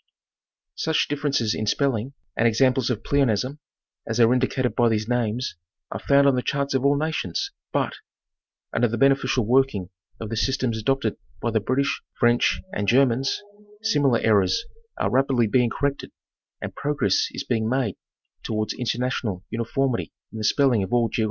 Such differences in spelling, and examples of pleonasm, as are indicated by these names, are found on the charts of all nations, but, under the beneficial working of the systems adopted by the British, French and Germans, similar errors are rapidly being cor rected, and progress is bemg made towards international uni formity in the spelling of all geographic names.